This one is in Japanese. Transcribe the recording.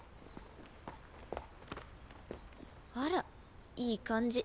あらいい感じ。